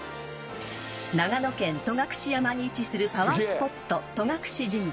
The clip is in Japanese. ［長野県戸隠山に位置するパワースポット戸隠神社］